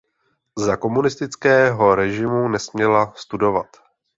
Za komunistického režimu nesměla studovat.